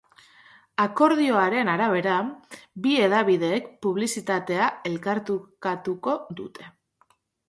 Akordioaren arabera, bi hedabideek publizitatea elkartrukatuko dute.